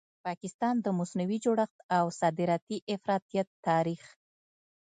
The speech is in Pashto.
پاکستان؛ د مصنوعي جوړښت او صادراتي افراطیت تاریخ